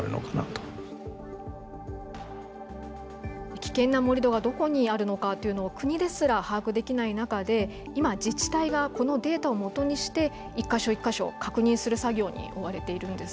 危険な盛り土がどこにあるのかというのを国ですら把握できない中で今自治体がこのデータを基にして１か所１か所確認する作業に追われているんです。